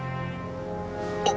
あっ！